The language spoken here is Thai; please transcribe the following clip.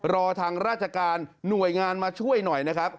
รอทางราชการหน่วยงานมาช่วยหน่อยนะครับ